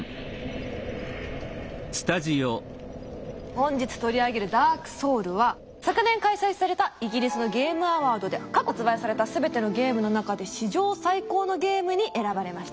本日取り上げる「ＤＡＲＫＳＯＵＬＳ」は昨年開催されたイギリスのゲームアワードで過去発売された全てのゲームの中で史上最高のゲームに選ばれました。